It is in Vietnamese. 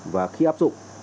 và khi áp dụng